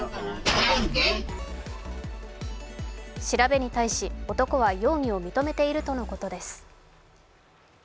調べに対し、男は容疑を認めているということです。